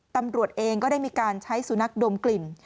ตำรวจเองก็ได้มีการใช้สุนัขดมกลิ่น